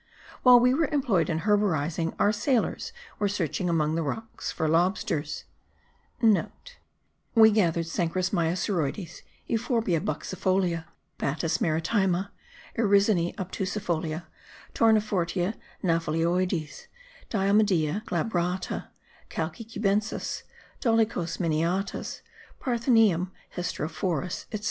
While we were employed in herborizing,* our sailors were searching among the rocks for lobsters. (* We gathered Cenchrus myosuroides, Euphorbia buxifolia, Batis maritima, Iresine obtusifolia, Tournefortia gnaphalioides, Diomedea glabrata, Cakile cubensis, Dolichos miniatus, Parthenium hysterophorus, etc.